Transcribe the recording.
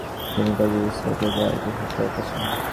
তিনি কাজে ইস্তফা দিয়ে আগ্রায় ফেরৎ আসেন।